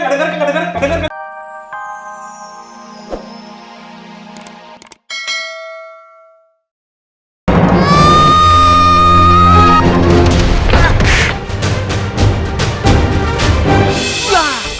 gak denger kan